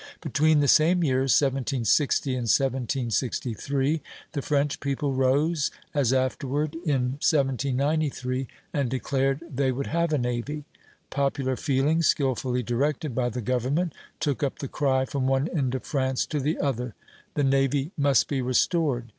Between the same years (1760 and 1763) the French people rose, as afterward in 1793, and declared they would have a navy. "Popular feeling, skilfully directed by the government, took up the cry from one end of France to the other, 'The navy must be restored.'